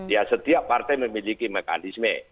ya setiap partai memiliki mekanisme